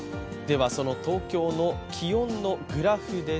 東京の気温のグラフです。